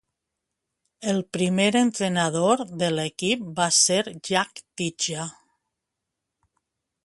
El primer entrenador de l'equip va ser Jack Tighe.